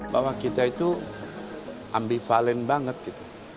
bahwa kita itu ambivalen banget gitu